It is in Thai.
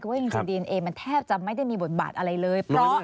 ว่าจริงดีเอนเอมันแทบจะไม่ได้มีบทบาทอะไรเลย